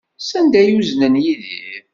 Sanda ay uznen Yidir?